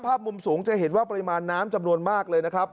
มุมสูงจะเห็นว่าปริมาณน้ำจำนวนมากเลยนะครับ